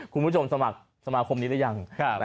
คุณผู้ชมสมัครสมาคมนี้หรือยัง